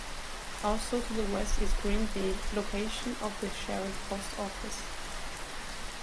Also to the west is Greenville, location of the shared post office.